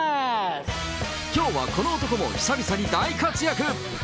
きょうはこの男も久々に大活躍。